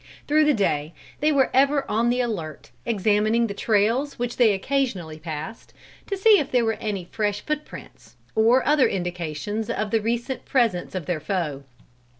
Through the day they were ever on the alert, examining the trails which they occasionally passed, to see if there were any fresh foot prints, or other indications of the recent presence of their foe.